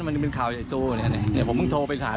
มันจะเป็นข่าวใจตัวเนี่ยเนี่ยผมเพิ่งโทรไปถาม